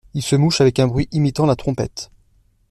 Il se mouche avec un bruit imitant la trompette.